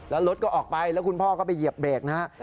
แล้วรถก็ออกไปแล้วคุณพ่อก็ไปเหยียบเบรกนะฮะ